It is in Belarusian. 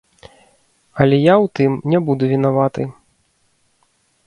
Але я ў тым не буду вінаваты.